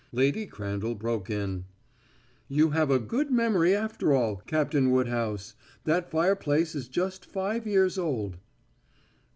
Lady Crandall broke in: "You have a good memory, after all, Captain Woodhouse. That fireplace is just five years old."